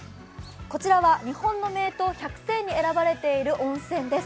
こちらは日本の名湯百選に選ばれている温泉です。